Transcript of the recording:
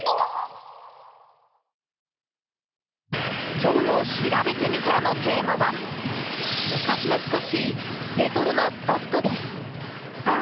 今日のしらべてみたらのテーマは昔懐かしいレトロなスポットです。